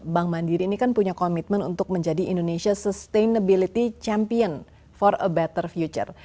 bank mandiri ini kan punya komitmen untuk menjadi indonesia sustainability champion for a better future